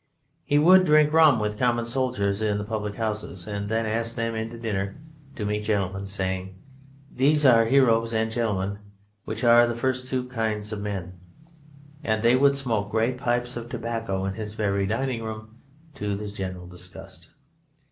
He would drink rum with common soldiers in the public houses and then ask them in to dinner to meet gentlemen, saying "These are heroes and gentlemen, which are the two first kinds of men," and they would smoke great pipes of tobacco in his very dining room to the general disgust.